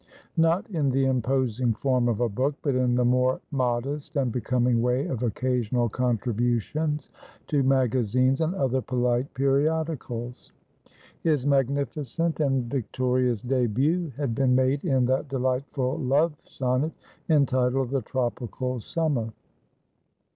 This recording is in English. Not in the imposing form of a book, but in the more modest and becoming way of occasional contributions to magazines and other polite periodicals. His magnificent and victorious debut had been made in that delightful love sonnet, entitled "The Tropical Summer."